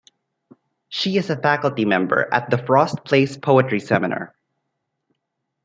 She is a faculty member at The Frost Place Poetry Seminar.